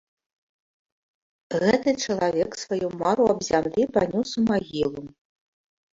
Гэты чалавек сваю мару аб зямлі панёс у магілу.